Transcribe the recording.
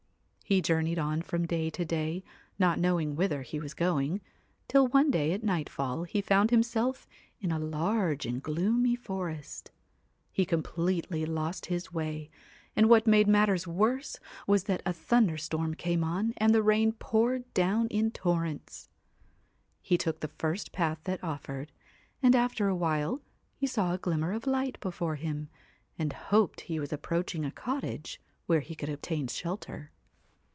He journeyed on from day to day, not knowing whither he was going, till one day at nightfall he found himself in a large and gloomy forest. He completely lost his way, and what made matters worse was that a thunderstorm came on and the rain poured down in torrents. He took 208 the first path that offered, and after a while he THE saw a glimmer of light before him, and hoped he WHITE was approaching a cottage where he could obtain CAT shelter.